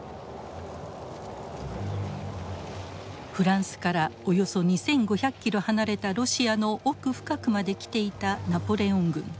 フランスからおよそ２，５００キロ離れたロシアの奥深くまで来ていたナポレオン軍。